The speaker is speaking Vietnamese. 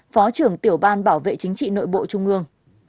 phó trưởng tiểu ban bảo vệ chính trị nội bộ trung ương